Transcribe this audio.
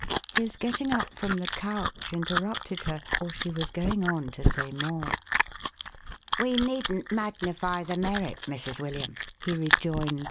His getting up from the couch, interrupted her, or she was going on to say more. "We needn't magnify the merit, Mrs. William," he rejoined 474 THE HAUNTED MAN.